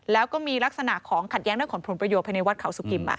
แล้วก็มีลักษณะของขัดแย้งด้วยขนผลประโยชนภายในวัดเขาสุกิม